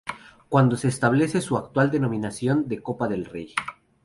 Cuando se establece su actual denominación de Copa del Rey.